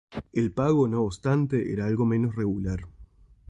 El pago, no obstante, era algo menos regular.